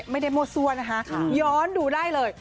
ไม่ได้มดซว่ะนะฮะย้อนดูได้เลย